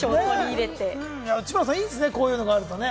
知花さん、いいですね、こういうのがあるとね。